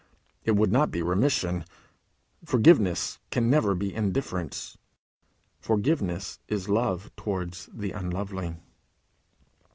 It would not be remission. Forgiveness can never be indifference. Forgiveness is love towards the unlovely.